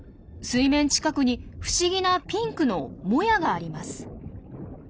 水面近くに不思議なピンクの「もや」があります。